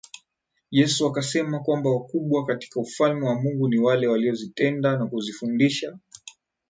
Yesu akasema kwamba wakubwa katika ufalme wa Mungu ni wale wanaozitenda na kuzifundisha